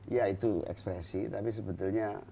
ya itu ekspresi tapi sebetulnya